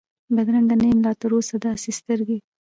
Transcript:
بدرنګه نه یم لا تراوسه داسي سترګې،